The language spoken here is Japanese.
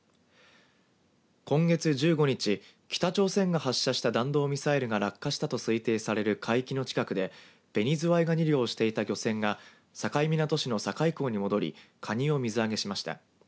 今月１５日北朝鮮が発射した弾道ミサイルが落下したと推定される海域の近くでベニズワイガニ漁していた漁船が境港市の境港に戻りカニの水揚げをしました。